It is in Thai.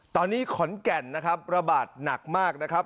ตอนนี้ขอนแก่นนะครับระบาดหนักมากนะครับ